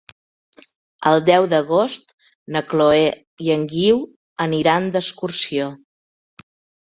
El deu d'agost na Chloé i en Guiu aniran d'excursió.